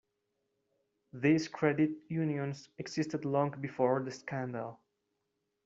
These credit unions existed long before the scandal.